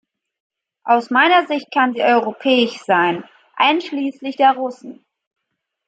Aus meiner Sicht kann sie europäisch sein, einschließlich der Russen.